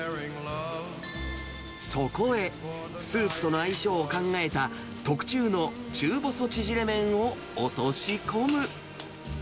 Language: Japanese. そこへ、スープとの相性を考えた特注の中細縮れ麺を落とし込む。